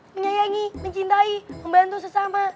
menyayangi mencintai membantu sesama